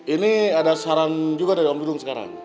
ini ada saran juga dari om birung sekarang